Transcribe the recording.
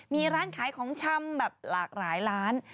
มีร้านขายของชำแบบหลากหลายร้าน